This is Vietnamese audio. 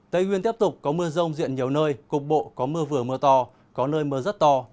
tây nguyên tiếp tục có mưa rông diện nhiều nơi cục bộ có mưa vừa mưa to có nơi mưa rất to